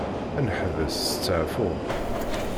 Ad neḥbes testaɛfuḍ.